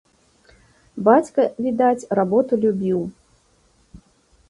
Бацька, відаць, работу любіў.